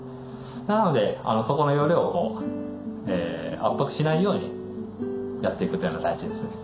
なのでそこの容量を圧迫しないようにやっていくというのは大事ですね。